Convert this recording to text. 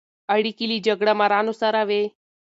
اړیکې له جګړه مارانو سره وې.